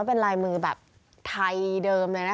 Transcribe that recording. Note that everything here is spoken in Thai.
เป็นลายมือแบบไทยเดิม